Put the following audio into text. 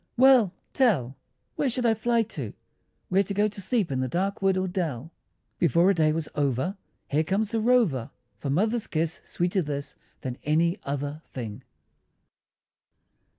Well tell! Where should I fly to, Where go to sleep in the dark wood or dell? Before a day was over, Home comes the rover, For Mother's kiss, sweeter this Than any other thing!